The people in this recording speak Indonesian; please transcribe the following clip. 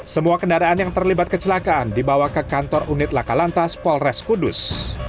semua kendaraan yang terlibat kecelakaan dibawa ke kantor unit laka lantas polres kudus